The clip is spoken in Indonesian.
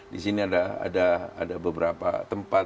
di sini ada beberapa tempat